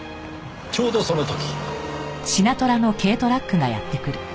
ちょうどその時。